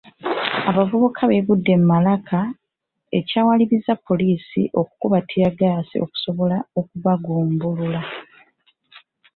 Abavubuka beegudde mu malaka ekyawalirizza poliisi okukuba ttiyaggaasi okusobola okubagumbulula.